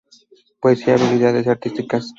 Poseía habilidades artísticas.